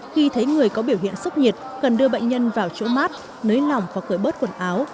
khi thấy người có biểu hiện sốc nhiệt cần đưa bệnh nhân vào chỗ mát nới lỏng và khởi bớt quần áo